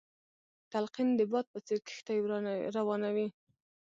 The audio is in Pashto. تلقين د باد په څېر کښتۍ روانوي.